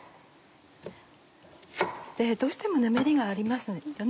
どうしてもぬめりがありますよね。